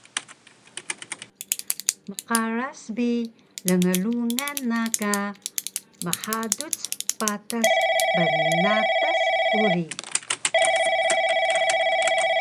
Mqaras bi lnglungan na ka mhaduc patas bnatas uri